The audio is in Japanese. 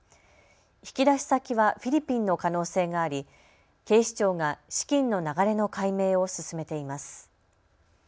引き出し先はフィリピンの可能性があり警視庁が資金の流れの解明を進めています。